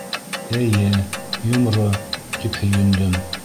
Эйе, йомро, тип һөйөндөм.